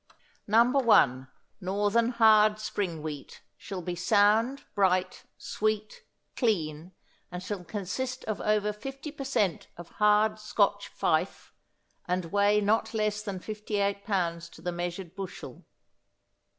No. 1 Northern Hard Spring Wheat shall be sound, bright, sweet, clean, and shall consist of over 50 per cent. of hard Scotch Fife, and weigh not less than 58 pounds to the measured bushel.